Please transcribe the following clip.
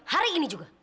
hari ini juga